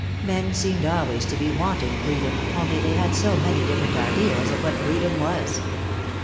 Men seemed always to be wanting freedom, only they had so many different ideas of what freedom was.